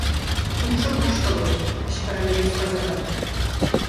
— Кумшо пуш толеш! — кычкырале вес казакат.